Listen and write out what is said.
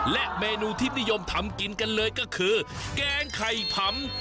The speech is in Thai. และเมนูที่นิยมทำกินกันเลยก็คือแกงไข่ผำ